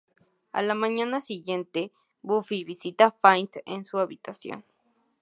A la mañana siguiente, Buffy visita a Faith en su habitación.